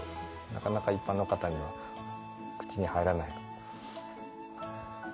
なかなか一般の方には口に入らない。